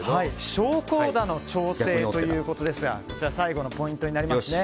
昇降舵の調整ということですがこちら最後のポイントになります。